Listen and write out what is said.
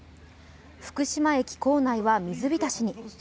福島駅構内は水浸しに。